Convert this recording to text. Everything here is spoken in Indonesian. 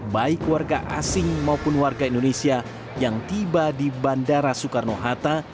baik warga asing maupun warga indonesia yang tiba di bandara soekarno hatta